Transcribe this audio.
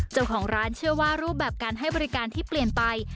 เจ้าของร้านเชื่อว่ารูปแบบการให้บริการที่เปลี่ยนไป